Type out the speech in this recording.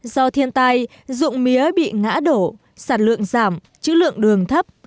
do thiên tai dụng mía bị ngã đổ sản lượng giảm chữ lượng đường thấp